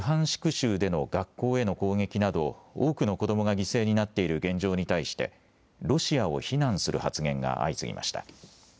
州での学校への攻撃など多くの子どもが犠牲になっている現状に対してロシアを非難する発言が相次ぎました。